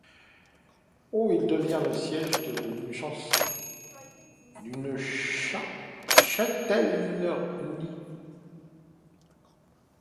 Au il devient le siège d'une châtellenie.